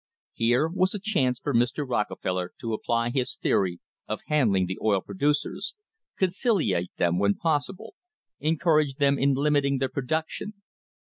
Here was a chance for Mr. Rockefeller to apply his theory of handling the oil producers conciliate them when possible encourage them in limiting their pro duction.